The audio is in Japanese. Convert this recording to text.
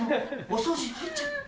お掃除入っちゃった。